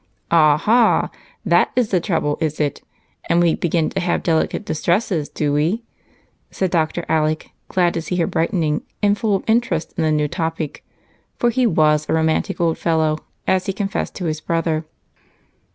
"Ah, ha! That is the trouble, is it? And we begin to have delicate distresses, do we?" said Dr. Alec, glad to see her brightening and full of interest in the new topic, for he was a romantic old fellow, as he had confessed to his brother.